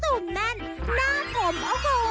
สุดแม่นหน้าผมโอ้โห